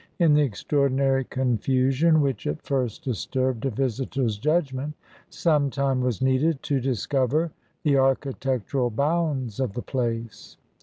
In the extraordinary confusion which at first disturbed a visitor's judgment, some time was needed to discover the architectural bounds of the place.